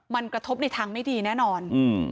มันกระทบในทางไม่ดีแน่นอน